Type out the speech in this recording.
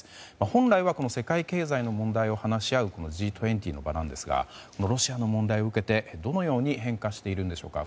本来は世界経済の問題を話し合うＧ２０の場なんですがロシアの問題を受けてどのように変化しているのでしょうか。